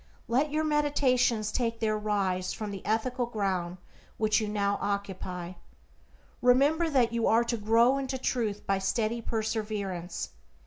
Let your meditations take their rise from the ethical ground which you now occupy. Remember that you are to grow into Truth by steady perseverance.